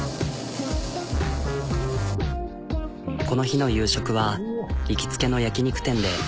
この日の夕食は行きつけの焼き肉店で。